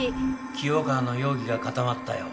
清川の容疑が固まったよ。